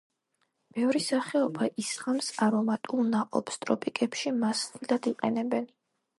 ბევრი სახეობა ისხამს არომატულ ნაყოფს; ტროპიკებში მას ხილად იყენებენ.